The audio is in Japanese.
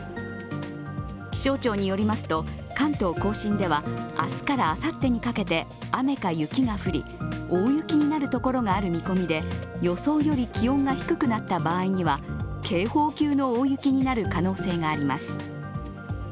気象庁によりますと関東甲信では明日からあさってにかけて雨か雪が降り大雪になるところがある見込みで予想より気温が低くなった場合には警報級の大雪になる可能性があります。